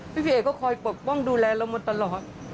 พี่เอกก็คอยปกป้องดูแลเรามาตลอด